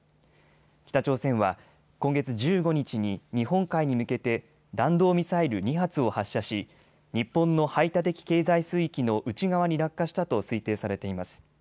北朝鮮は今月１５日に日本海に向けて弾道ミサイル２発を発射し日本の排他的経済水域の内側に落下したと推定されています。